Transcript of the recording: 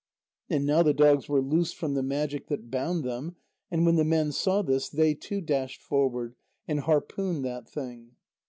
And now the dogs were loosed from the magic that bound them, and when the men saw this, they too dashed forward, and harpooned that thing.